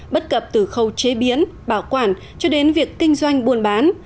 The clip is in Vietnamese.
bất cập từ khâu chế biến bảo quản cho đến việc kinh doanh buôn bán